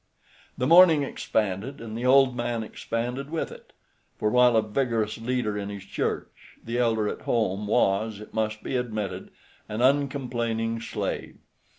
The morning expanded, and the old man expanded with it; for while a vigorous leader in his church, the elder at home was, it must be admitted, an uncomplaining slave.